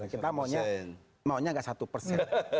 kita maunya nggak satu persen